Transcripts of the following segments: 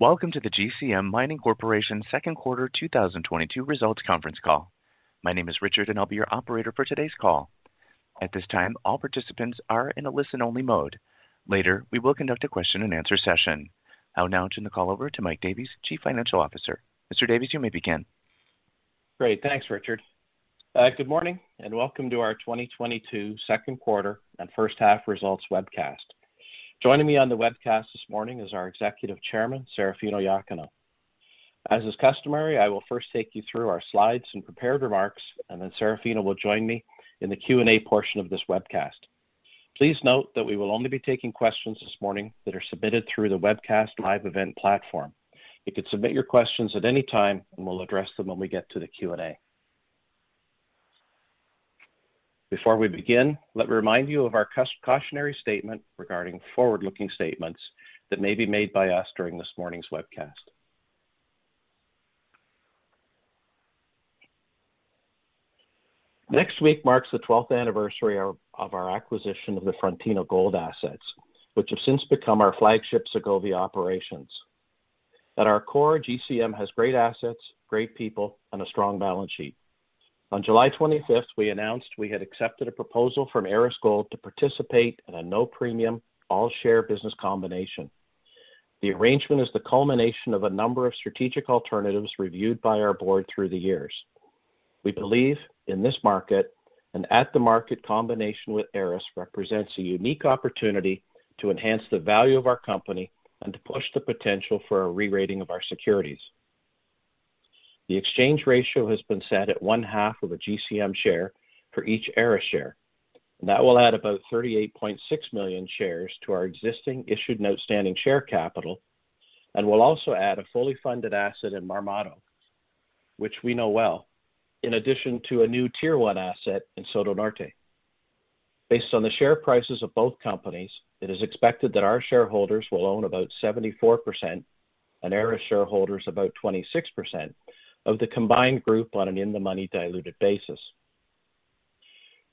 Welcome to the GCM Mining Corp. Q2 2022 results conference call. My name is Richard, and I'll be your operator for today's call. At this time, all participants are in a listen-only mode. Later, we will conduct a question-and-answer session. I will now turn the call over to Michael Davies, Chief Financial Officer. Mr. Davies, you may begin. Great. Thanks, Richard. Good morning, and welcome to our 2022 Q2 and H1 results webcast. Joining me on the webcast this morning is our Executive Chairman, Serafino Iacono. As is customary, I will first take you through our slides and prepared remarks, and then Serafino will join me in the Q&A portion of this webcast. Please note that we will only be taking questions this morning that are submitted through the webcast live event platform. You could submit your questions at any time, and we'll address them when we get to the Q&A. Before we begin, let me remind you of our cautionary statement regarding forward-looking statements that may be made by us during this morning's webcast. Next week marks the twelfth anniversary of our acquisition of the Frontino Gold Mines assets, which have since become our flagship Segovia Operations. At our core, GCM has great assets, great people, and a strong balance sheet. On July 25th, we announced we had accepted a proposal from Aris Gold to participate in a no premium, all share business combination. The arrangement is the culmination of a number of strategic alternatives reviewed by our board through the years. We believe in this market, and this at-the-market combination with Aris Gold represents a unique opportunity to enhance the value of our company and to push the potential for a re-rating of our securities. The exchange ratio has been set at 0.5 of a GCM share for each Aris Gold share. That will add about 38.6 million shares to our existing issued and outstanding share capital and will also add a fully funded asset in Marmato, which we know well, in addition to a new tier one asset in Soto Norte. Based on the share prices of both companies, it is expected that our shareholders will own about 74% and Aris shareholders about 26% of the combined group on an in-the-money diluted basis.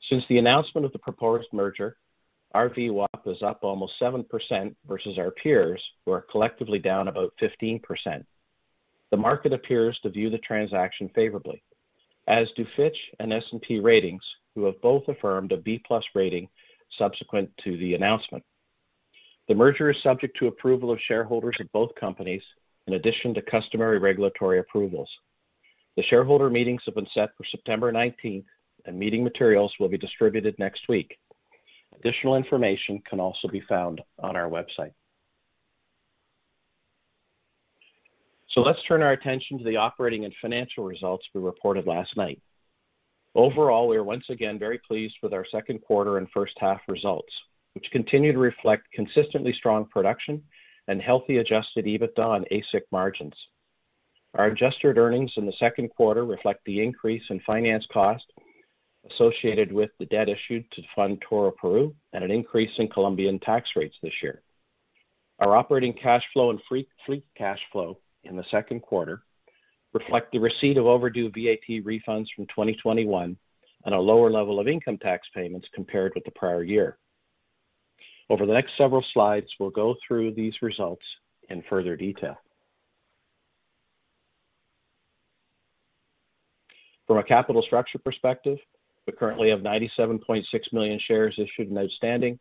Since the announcement of the proposed merger, our VWAP is up almost 7% versus our peers, who are collectively down about 15%. The market appears to view the transaction favorably, as do Fitch Ratings and S&P Global Ratings, who have both affirmed a B+ rating subsequent to the announcement. The merger is subject to approval of shareholders of both companies in addition to customary regulatory approvals. The shareholder meetings have been set for September 19th, and meeting materials will be distributed next week. Additional information can also be found on our website. Let's turn our attention to the operating and financial results we reported last night. Overall, we are once again very pleased with our Q2 and H1 results, which continue to reflect consistently strong production and healthy adjusted EBITDA and AISC margins. Our adjusted earnings in the Q2 reflect the increase in finance cost associated with the debt issued to fund Toroparu and an increase in Colombian tax rates this year. Our operating cash flow and free cash flow in the Q2 reflect the receipt of overdue VAT refunds from 2021 and a lower level of income tax payments compared with the prior year. Over the next several slides, we'll go through these results in further detail. From a capital structure perspective, we currently have 97.6 million shares issued and outstanding,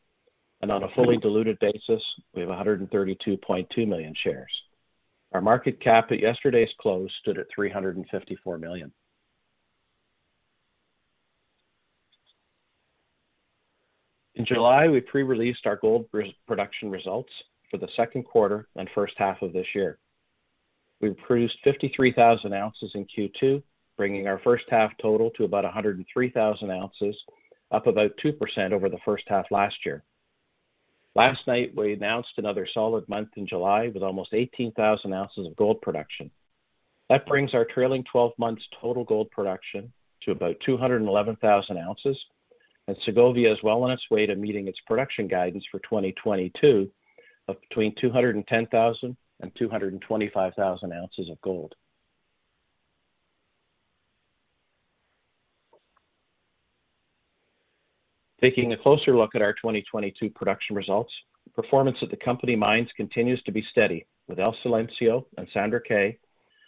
and on a fully diluted basis, we have 132.2 million shares. Our market cap at yesterday's close stood at $354 million. In July, we pre-released our gold production results for the Q2 and H1 of this year. We produced 53,000 ounces in Q2, bringing our H1 total to about 103,000 ounces, up about 2% over the H1 last year. Last night, we announced another solid month in July with almost 18,000 ounces of gold production. That brings our trailing twelve months total gold production to about 211,000 ounces, and Segovia is well on its way to meeting its production guidance for 2022 of between 210,000 and 225,000 ounces of gold. Taking a closer look at our 2022 production results, performance at the company mines continues to be steady with El Silencio and Sandra K.,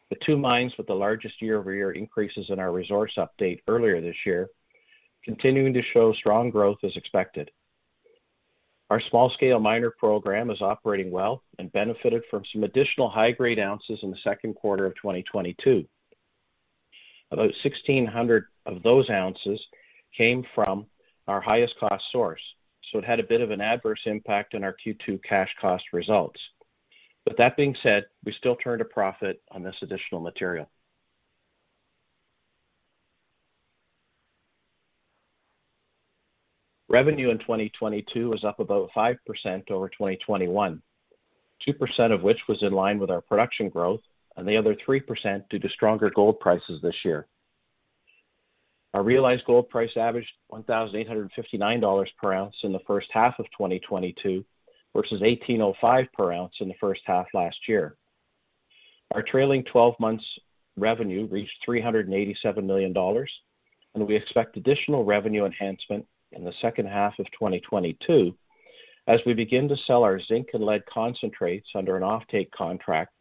the two mines with the largest year-over-year increases in our resource update earlier this year, continuing to show strong growth as expected. Our small scale miner program is operating well and benefited from some additional high grade ounces in the Q2 of 2022. About 1,600 of those ounces came from our highest cost source, so it had a bit of an adverse impact in our Q2 cash cost results. That being said, we still turned a profit on this additional material. Revenue in 2022 is up about 5% over 2021, 2% of which was in line with our production growth and the other 3% due to stronger gold prices this year. Our realized gold price averaged $1,859 per ounce in the H1 of 2022 versus $1,805 per ounce in the H1 last year. Our trailing 12 months revenue reached $387 million, and we expect additional revenue enhancement in the H2 of 2022 as we begin to sell our zinc and lead concentrates under an offtake contract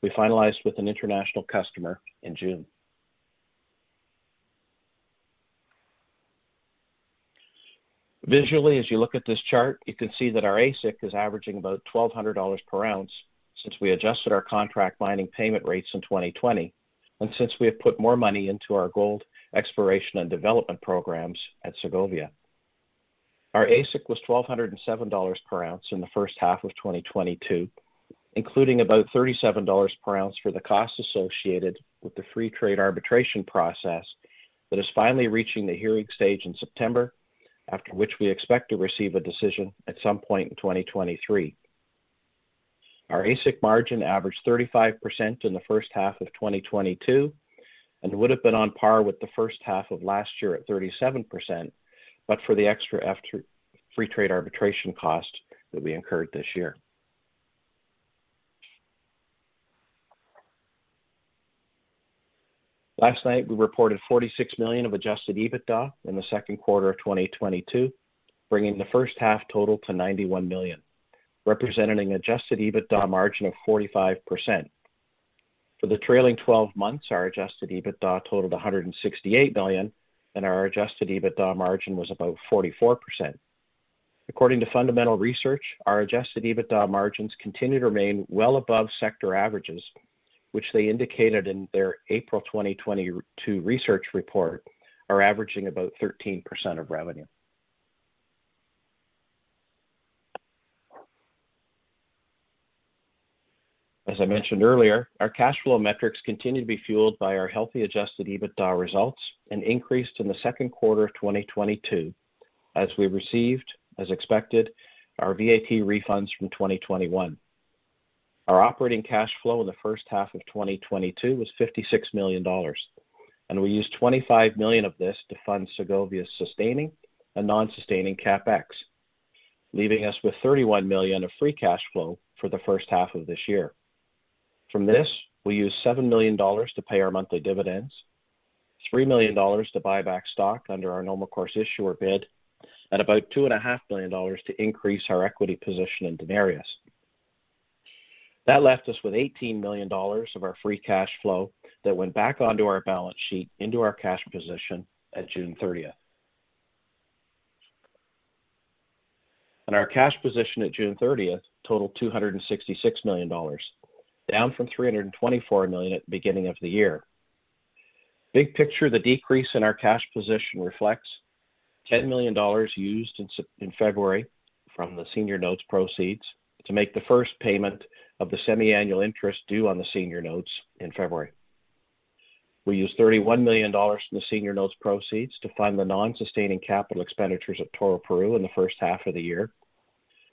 we finalized with an international customer in June. Visually, as you look at this chart, you can see that our AISC is averaging about $1,200 per ounce since we adjusted our contract mining payment rates in 2020, and since we have put more money into our gold exploration and development programs at Segovia. Our AISC was $1,207 per ounce in the H1 of 2022, including about $37 per ounce for the costs associated with the free trade arbitration process that is finally reaching the hearing stage in September, after which we expect to receive a decision at some point in 2023. Our AISC margin averaged 35% in the H1 of 2022, and would have been on par with the H1 of last year at 37% but for the extra free trade arbitration cost that we incurred this year. Last night, we reported $46 million of adjusted EBITDA in the Q2 of 2022, bringing the H1 total to $91 million, representing adjusted EBITDA margin of 45%. For the trailing twelve months, our adjusted EBITDA totaled $168 million, and our adjusted EBITDA margin was about 44%. According to Fundamental Research, our adjusted EBITDA margins continue to remain well above sector averages, which they indicated in their April 2022 research report are averaging about 13% of revenue. I mentioned earlier, our cash flow metrics continue to be fueled by our healthy adjusted EBITDA results and increased in the Q2 of 2022 as we received, as expected, our VAT refunds from 2021. Our operating cash flow in the H1 of 2022 was $56 million, and we used $25 million of this to fund Segovia's sustaining and non-sustaining CapEx, leaving us with $31 million of free cash flow for the H1 of this year. From this, we used $7 million to pay our monthly dividends, $3 million to buy back stock under our normal course issuer bid at about $2.5 million to increase our equity position in Denarius. That left us with $18 million of our free cash flow that went back onto our balance sheet into our cash position at June 30th. Our cash position at June 30th totaled $266 million, down from $324 million at beginning of the year. Big picture, the decrease in our cash position reflects $10 million used in February from the senior notes proceeds to make the first payment of the semiannual interest due on the senior notes in February. We used $31 million from the senior notes proceeds to fund the non-sustaining capital expenditures of Toroparu in the H1 of the year,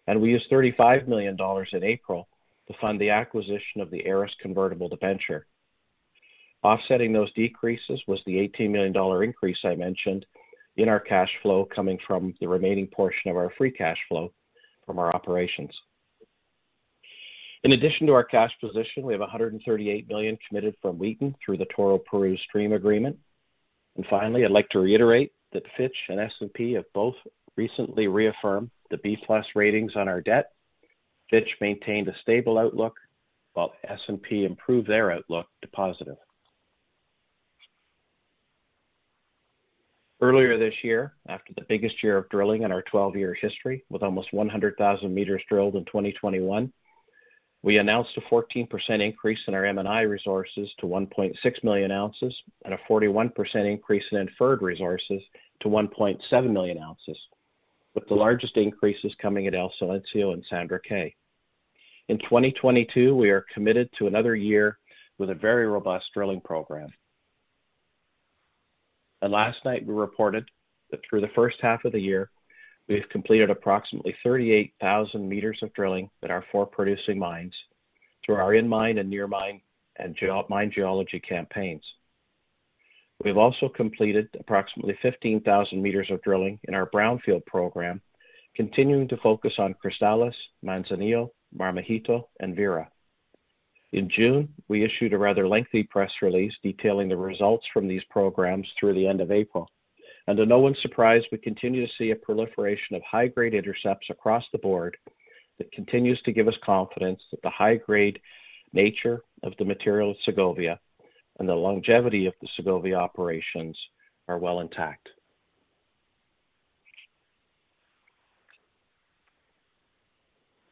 and we used $35 million in April to fund the acquisition of the Aris convertible debenture. Offsetting those decreases was the $18 million increase I mentioned in our cash flow coming from the remaining portion of our free cash flow from our operations. In addition to our cash position, we have $138 million committed from Wheaton through the Toroparu stream agreement. Finally, I'd like to reiterate that Fitch and S&P have both recently reaffirmed the B+ ratings on our debt. Fitch maintained a stable outlook, while S&P improved their outlook to positive. Earlier this year, after the biggest year of drilling in our 12-year history with almost 100,000 meters drilled in 2021, we announced a 14% increase in our M&I resources to 1.6 million ounces and a 41% increase in inferred resources to 1 million ounces, with the largest increases coming at El Silencio and Sandra K. In 2022, we are committed to another year with a very robust drilling program. Last night we reported that through the H1 of the year, we've completed approximately 38,000 meters of drilling at our four producing mines through our in-mine and near mine and geo-mine geology campaigns. We've also completed approximately 15,000 meters of drilling in our brownfield program, continuing to focus on Cristales, Manzanillo, Marmajito, and Vera. In June, we issued a rather lengthy press release detailing the results from these programs through the end of April. To no one's surprise, we continue to see a proliferation of high-grade intercepts across the board that continues to give us confidence that the high-grade nature of the material at Segovia and the longevity of the Segovia operations are well intact.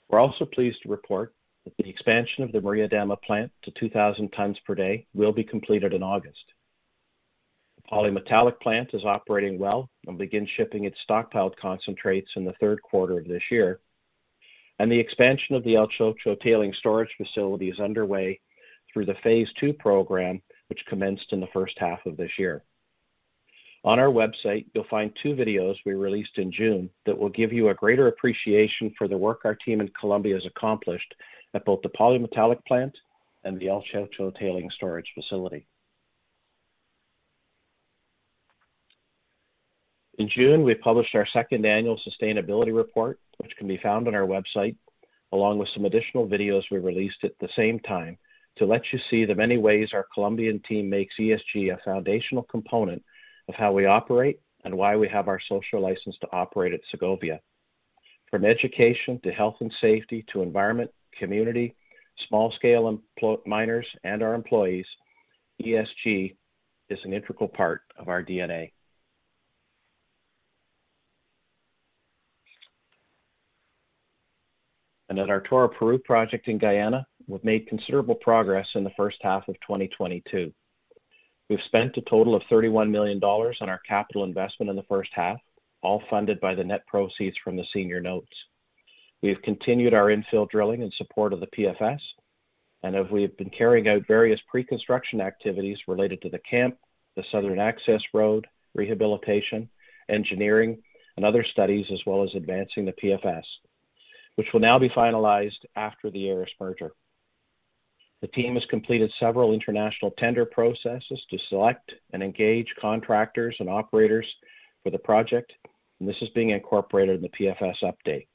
We're also pleased to report that the expansion of the Maria Dama plant to 2,000 tons per day will be completed in August. The polymetallic plant is operating well and will begin shipping its stockpiled concentrates in the third quarter of this year, and the expansion of the El Chocho tailings storage facility is underway through the phase two program, which commenced in the H1 of this year. On our website, you'll find two videos we released in June that will give you a greater appreciation for the work our team in Colombia has accomplished at both the polymetallic plant and the El Chocho tailing storage facility. In June, we published our second annual sustainability report, which can be found on our website, along with some additional videos we released at the same time to let you see the many ways our Colombian team makes ESG a foundational component of how we operate and why we have our social license to operate at Segovia. From education to health and safety to environment, community, small scale miners, and our employees, ESG is an integral part of our DNA. At our Toroparu project in Guyana, we've made considerable progress in the H1 of 2022. We've spent a total of $31 million on our capital investment in the H1, all funded by the net proceeds from the senior notes. We have continued our infill drilling in support of the PFS and we have been carrying out various pre-construction activities related to the camp, the southern access road, rehabilitation, engineering, and other studies, as well as advancing the PFS, which will now be finalized after the Aris Gold merger. The team has completed several international tender processes to select and engage contractors and operators for the project, and this is being incorporated in the PFS update.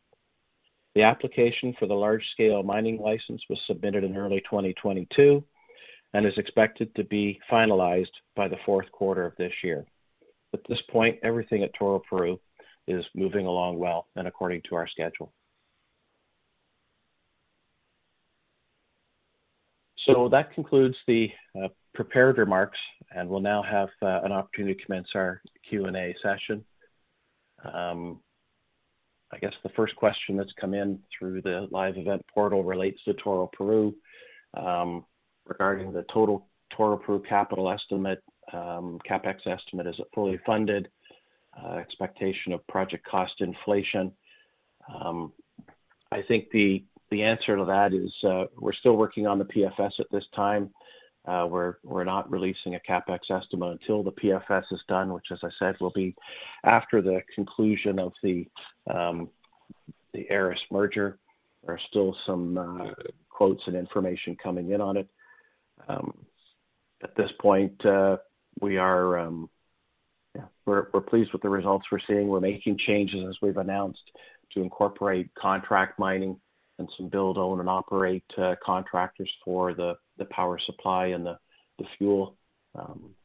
The application for the large scale mining license was submitted in early 2022 and is expected to be finalized by the fourth quarter of this year. At this point, everything at Toroparu is moving along well and according to our schedule. That concludes the prepared remarks, and we'll now have an opportunity to commence our Q&A session. I guess the first question that's come in through the live event portal relates to Toroparu, regarding the total Toroparu capital estimate, CapEx estimate. Is it fully funded, expectation of project cost inflation? I think the answer to that is, we're still working on the PFS at this time. We're not releasing a CapEx estimate until the PFS is done, which, as I said, will be after the conclusion of the Aris merger. There are still some quotes and information coming in on it. At this point, yeah, we're pleased with the results we're seeing. We're making changes, as we've announced, to incorporate contract mining and some build, own, and operate contractors for the power supply and the fuel.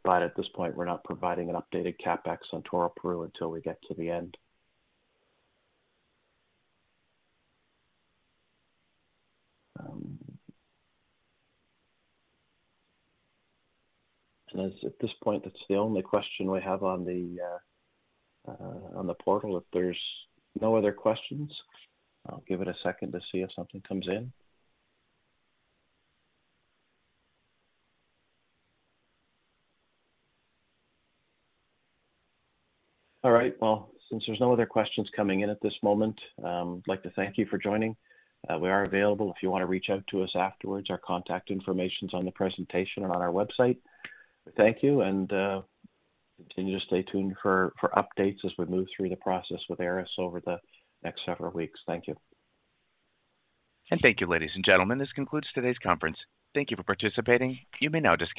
At this point, we're not providing an updated CapEx on Toroparu until we get to the end. At this point, that's the only question we have on the portal. If there's no other questions, I'll give it a second to see if something comes in. All right. Well, since there's no other questions coming in at this moment, I'd like to thank you for joining. We are available if you want to reach out to us afterwards. Our contact information's on the presentation and on our website. Thank you and continue to stay tuned for updates as we move through the process with Aris over the next several weeks. Thank you. Thank you, ladies and gentlemen. This concludes today's conference. Thank you for participating. You may now disconnect.